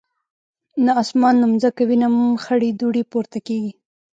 نه اسمان نه مځکه وینم خړي دوړي پورته کیږي